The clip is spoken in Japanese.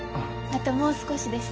あともう少しです。